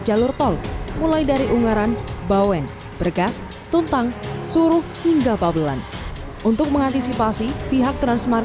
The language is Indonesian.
jalur tol mulai dari ungaran bawen bergas tuntang suruh hingga pabulan untuk mengantisipasi pihak